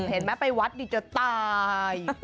เห็นไหมไปวัดนี่จะตาย